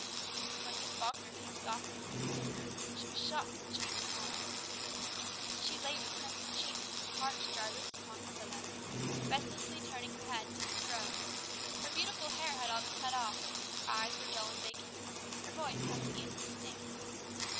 When Miss Falkner came softly into the sick room, she was shocked at the change in Mona. She lay with crimson cheeks and parched, dry lips upon her pillows, restlessly turning her head to and fro; her beautiful hair had all been cut off; her eyes were dull and vacant; her voice husky and indistinct.